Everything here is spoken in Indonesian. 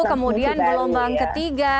kemudian gelombang ketiga